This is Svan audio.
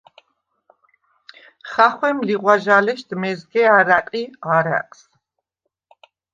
ხახვემ ლიღვაჟალეშდ მეზგე ა̈რა̈ყი არა̈ყს.